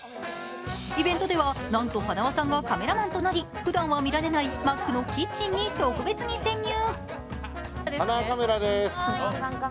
イベントでは、なんと塙さんがカメラマンとなりふだんは見られないマックのキッチンに特別に潜入。